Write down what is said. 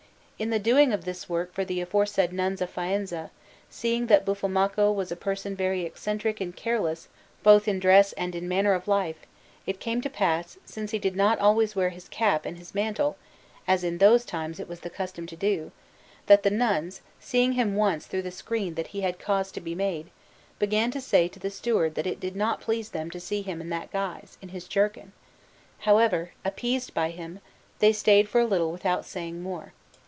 In the doing of this work for the aforesaid Nuns of Faenza, seeing that Buffalmacco was a person very eccentric and careless both in dress and in manner of life, it came to pass, since he did not always wear his cap and his mantle, as in those times it was the custom to do, that the nuns, seeing him once through the screen that he had caused to be made, began to say to the steward that it did not please them to see him in that guise, in his jerkin; however, appeased by him, they stayed for a little without saying more.